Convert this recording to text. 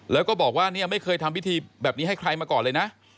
แล้วก็บอกว่าเนี่ยไม่เคยทำพิธีแบบนี้ให้ใครมาก่อนเลยนะ